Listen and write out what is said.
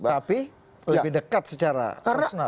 tapi lebih dekat secara personal